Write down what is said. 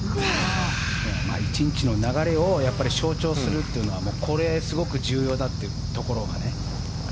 １日の流れを象徴するというのはこれ、すごく重要だというところがね。